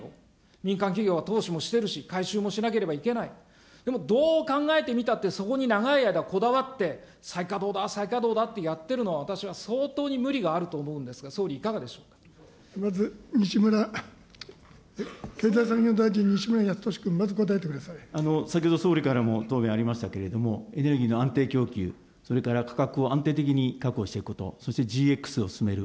民間企業は投資もしてるし、改修もしなければいけない、でも、どう考えてみたって、そこに長い間こだわって、再稼働だ、再稼働だってやってるのは私は相当に無理があると思う経済産業大臣、先ほど、総理からも答弁ありましたけれども、エネルギーの安定供給、それから価格を安定的に確保していくこと、そしてＧＸを進める。